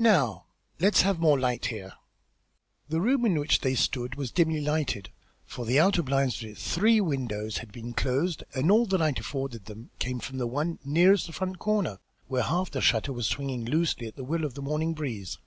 "Now let us have more light here." The room in which they were was dimly lighted, for the outer blinds of its three windows had been closed, and all the light afforded them came from the one nearest the front corner, where half the shutter was swinging loosely at the will of the morning breeze.